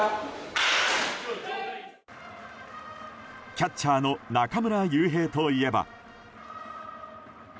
キャッチャーの中村悠平といえば。